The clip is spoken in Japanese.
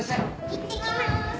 いってきまーす！